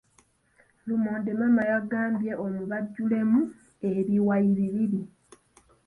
Lumonde maama yamugambye omubajjulemu ebiwayi bibiri.